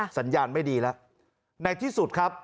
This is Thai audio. สัญญาณไม่ดีแล้วในที่สุดครับ